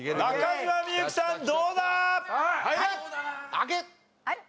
開け！